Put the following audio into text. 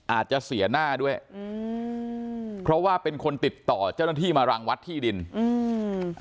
อาจจะเสียหน้าด้วยอืมเพราะว่าเป็นคนติดต่อเจ้าหน้าที่มารังวัดที่ดินอืม